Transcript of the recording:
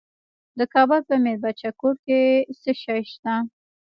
د کابل په میربچه کوټ کې څه شی شته؟